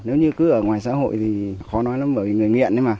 nếu như cứ ở ngoài xã hội thì khó nói lắm bởi vì người nghiện mà